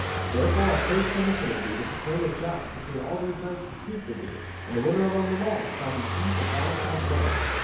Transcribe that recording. Therefore I crave permission of thee to proclaim a joust between all these knights that sue for thee, and the winner among them all shall be he that thou shalt wed.'